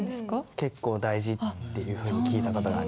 結構大事っていうふうに聞いた事があります。